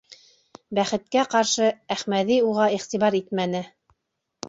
Бәхеткә ҡаршы, Әхмәҙи уға иғтибар итмәне.